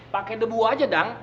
pakai debu saja dang